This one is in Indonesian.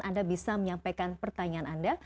anda bisa menyampaikan pertanyaan anda